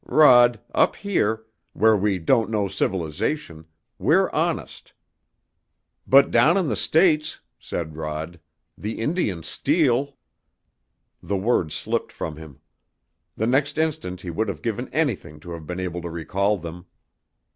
Rod, up here, where we don't know civilization, we're honest!" "But down in the States," said Rod, "the Indians steal." The words slipped from him. The next instant he would have given anything to have been able to recall them.